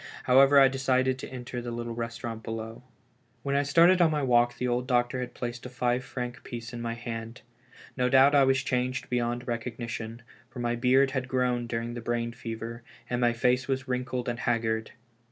However, I decided to enter the little restaurant below. When I started on my walk, the old doctor had placed a five franc piece in my hand. No doubt I was changed beyond recognition, for my beard had grown during the brain fever, and my face was wrinkled and haggard.